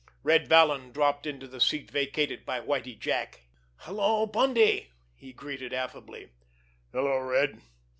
Red Vallon dropped into the seat vacated by Whitie Jack. "Hello, Bundy!" he greeted affably. "Hello, Red!"